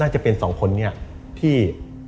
จะเป็น๒คนนี้ที่